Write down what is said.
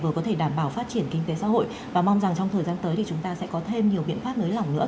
vừa có thể đảm bảo phát triển kinh tế xã hội và mong rằng trong thời gian tới thì chúng ta sẽ có thêm nhiều biện pháp nới lỏng nữa